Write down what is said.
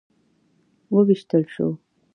وویشتل شو.